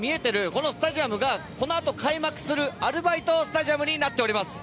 このスタジアムがこのあと、開幕するアルバイトスタジアムになっています。